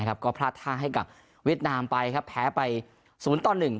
ก็พลาดท่าให้กับเวียดนามไปครับแพ้ไปสมมุติตอนหนึ่ง